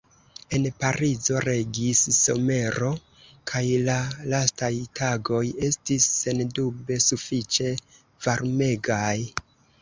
En Parizo regis somero kaj la lastaj tagoj estis sendube sufiĉe varmegaj.